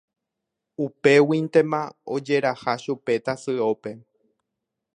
Upéguintema ojeraha chupe tasyópe.